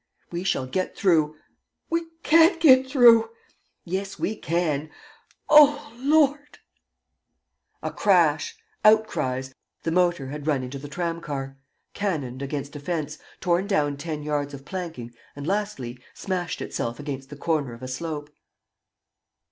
"We shall get through." "We can't get through." "Yes, we can." "Oh, Lord!" A crash ... outcries. ... The motor had run into the tram car, cannoned against a fence, torn down ten yards of planking and, lastly, smashed itself against the corner of a slope.